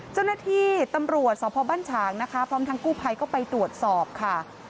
เจ้าหน้าที่ตำรวจสพบ้านฉางนะคะพร้อมทั้งกู้ภัยก็ไปตรวจสอบค่ะ